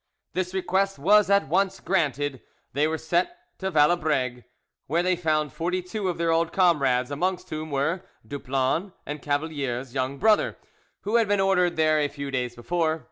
This request was at once granted: they were sent to Valabregues, where they found forty two of their old comrades, amongst whom were Duplan and Cavalier's young brother, who had been ordered there a few days before.